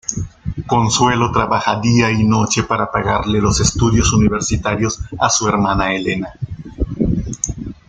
Consuelo trabaja día y noche para pagarle los estudios universitarios a su hermana Elena.